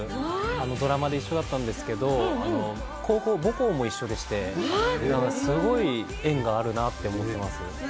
ドラマで一緒だったんですけれども、母校も一緒でして、すごい縁があるなと思っています。